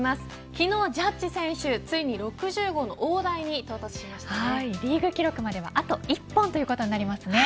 昨日ジャッジ選手ついに６０号の大台にリーグ記録まではあと１本ということになりますね。